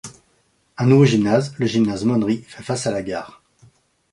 Un nouveau gymnase, le gymnase Monery, fait face à la gare.